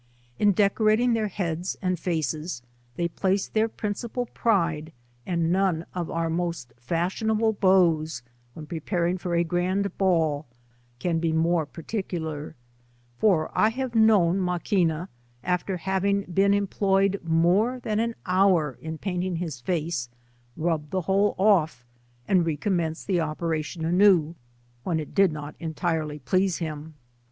In decorating their heads and faces, they place their principal pride, and none of our most fashionable beaus, when preparing for a grand ball, can be more particular; for I have known Maqni na, after having been employed more than an hour in painting his fa<;e, rub the whole off, and re commence the operation anew, when it did not eBtirely please him.